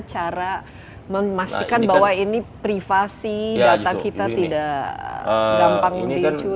cara memastikan bahwa ini privasi data kita tidak gampang dicuri